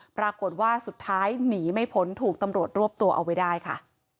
ปรากฏว่าสุดท้ายหนีไม่พ้นถูกตำรวจรวบตัวเอาไว้ได้ค่ะ